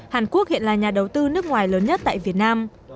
hàn quốc hiện là nhà đầu tư nước ngoài lớn nhất tại việt nam